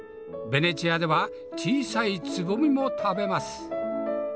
ベネチアでは小さいツボミも食べます。